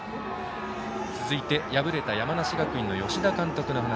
続いて、敗れた山梨学院の吉田監督の話。